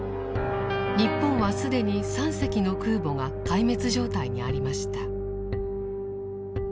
日本は既に３隻の空母が壊滅状態にありました。